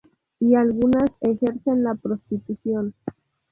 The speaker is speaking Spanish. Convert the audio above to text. Y algunas ejercen la prostitución.